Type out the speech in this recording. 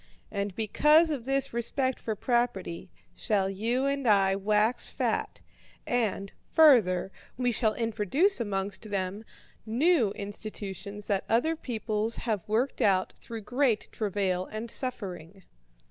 And because of this respect for property shall you and I wax fat, and, further, we shall introduce amongst them new institutions that other peoples have worked out through great travail and suffering.'